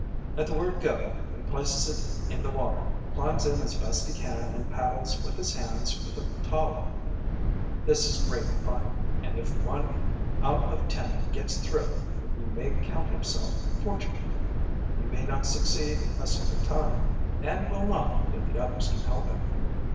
At the word "Go!" he places it in the water, climbs in as best he can, and paddles with his hands for the taw line. This is great fun, and if one out of ten gets through he may count himself fortunate. He may not succeed a second time and will not if the others can help it.